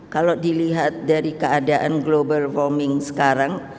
kalau dilihat dari keadaan global farming sekarang